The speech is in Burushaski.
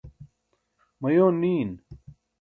mayoon niin